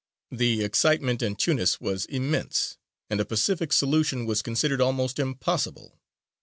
The excitement in Tunis was immense, and a pacific solution was considered almost impossible.